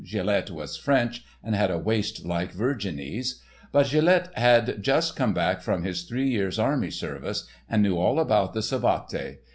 Gilet was French, and had a waist like Virginie's. But Gilet had just come back from his three years' army service, and knew all about the savate.